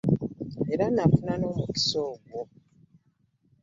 Era nnafuna n'omukisa ogwo.